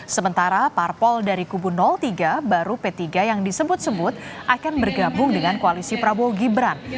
sementara parpol dari kubu tiga baru p tiga yang disebut sebut akan bergabung dengan koalisi prabowo gibran